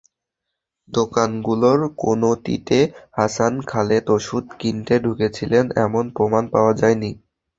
দোকানগুলোর কোনোটিতে হাসান খালেদ ওষুধ কিনতে ঢুকেছিলেন, এমন প্রমাণ পাওয়া যায়নি।